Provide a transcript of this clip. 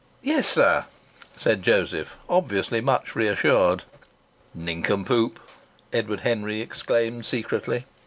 "Yes, sir," said Joseph, obviously much reassured. "Nincompoop!" Edward Henry exclaimed secretly.